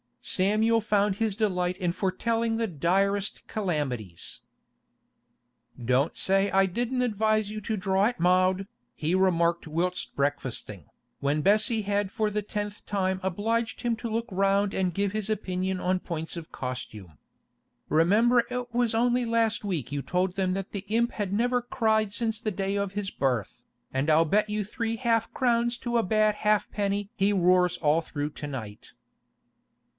Samuel found his delight in foretelling the direst calamities. 'Don't say I didn't advise you to draw it mild,' he remarked whilst breakfasting, when Bessie had for the tenth time obliged him to look round and give his opinion on points of costume. 'Remember it was only last week you told them that the imp had never cried since the day of his birth, and I'll bet you three half crowns to a bad halfpenny he roars all through to night.